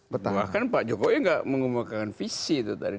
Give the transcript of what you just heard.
bahkan pak jokowi tidak menggunakan visi itu tadi